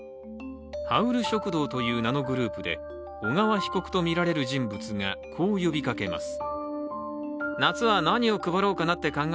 ハウル食堂という名のグループで小川被告とみられる人物がこう呼びかけます。